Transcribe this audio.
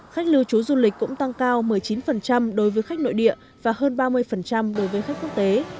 khách lưu trú du lịch cũng tăng cao một mươi chín đối với khách nội địa và hơn ba mươi đối với khách quốc tế